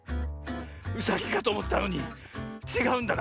うさぎかとおもったのにちがうんだな。